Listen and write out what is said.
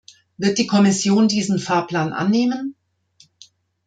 Wird die Kommission diesen Fahrplan annehmen?